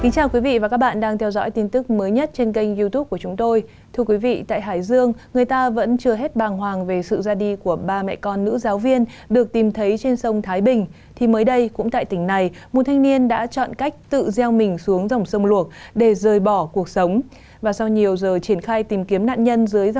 các bạn hãy đăng ký kênh để ủng hộ kênh của chúng tôi nhé